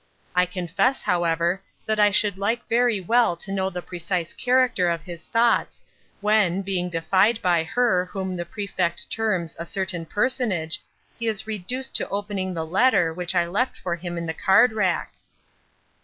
I confess, however, that I should like very well to know the precise character of his thoughts, when, being defied by her whom the Prefect terms 'a certain personage' he is reduced to opening the letter which I left for him in the card rack."